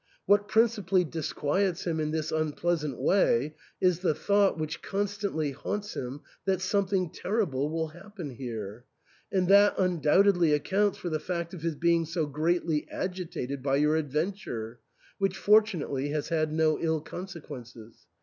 What principally disquiets him in this unpleasant way is the thought, which constantly haunts him, that something terrible will happen here. And that undoubtedly accounts for the fact of his being so greatly agitated by your ad venture, which fortunately has had no ill consequences.